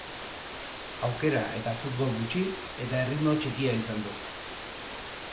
Aukera eta futbol gutxi, eta erritmo txikia izan du.